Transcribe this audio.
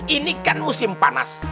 ini kan musim panas